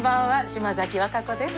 島崎和歌子です。